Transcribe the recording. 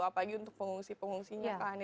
apa lagi untuk pengungsi pengungsinya kan